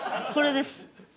これです。